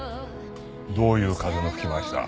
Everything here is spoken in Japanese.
どういう風の吹き回しだ？